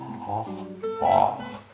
ああ。